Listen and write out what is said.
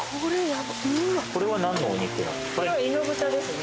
これは何のお肉なんですか？